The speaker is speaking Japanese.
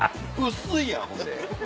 薄いやんほんで。